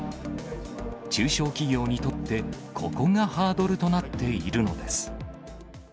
中小企業にとって、ここがハードルとなっているのです。